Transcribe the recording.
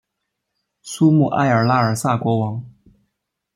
苏穆埃尔拉尔萨国王。